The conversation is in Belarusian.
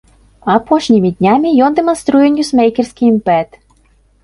Апошнімі днямі ён дэманструе ньюсмэйкерскі імпэт.